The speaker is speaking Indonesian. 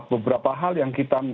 beberapa hal yang kita